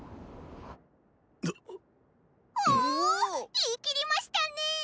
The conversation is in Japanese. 言い切りましたねぇ！